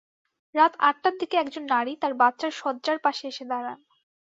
রাত আটটার দিকে একজন নারী তাঁর বাচ্চার শয্যার পাশে এসে দাঁড়ান।